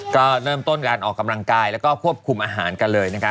ก็เริ่มต้นการออกกำลังกายแล้วก็ควบคุมอาหารกันเลยนะคะ